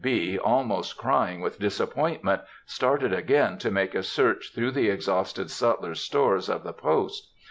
B., almost crying with disappointment, started again to make a search through the exhausted sutlers' stores of the post.